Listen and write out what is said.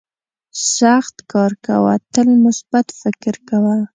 سخت کار کوه تل مثبت فکر کوه.